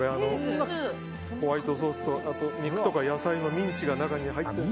ホワイトソースと肉とか野菜のミンチが中に入ってて。